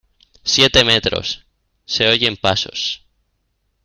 siete metros. se oyen pasos .